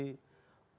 udah di indonesia